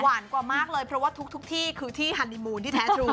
กว่ามากเลยเพราะว่าทุกที่คือที่ฮันนิมูลที่แท้ทรู